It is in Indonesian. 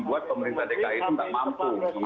tapi jangan sampai kita